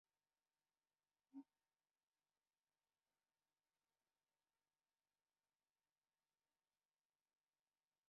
Munkájával és elkötelezettségével a valódi civil öntudat helyreállítását igyekszik elősegíteni.